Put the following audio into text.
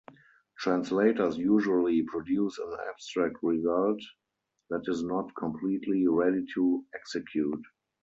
Translators usually produce an abstract result that is not completely ready to execute.